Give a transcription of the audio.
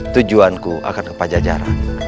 tujuanku akan ke pajajaran